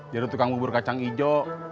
jadul tukang bubur kacang ijo